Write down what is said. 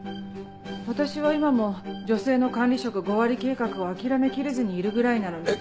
私は今も女性の管理職５割計画を諦めきれずにいるぐらいなのに。